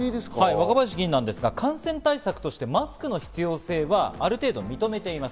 若林議員ですが、マスクの必要性はある程度、認めています。